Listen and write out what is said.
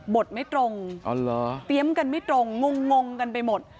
ไม่ตรงเตรียมกันไม่ตรงงงกันไปหมด